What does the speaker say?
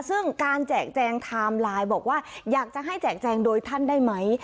ซึ่งการแจกแจงไทม์ไลน์บอกว่าอยากจะให้แจกแจงโดยท่านได้ไหม